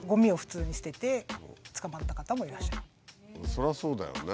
そりゃそうだよね。